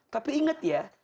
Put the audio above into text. tapi ingat ya